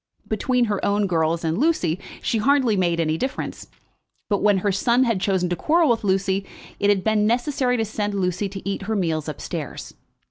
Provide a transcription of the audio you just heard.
Between her own girls and Lucy she hardly made any difference; but when her son had chosen to quarrel with Lucy it had been necessary to send Lucy to eat her meals up stairs.